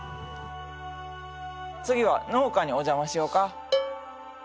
次は農家にお邪魔しよか。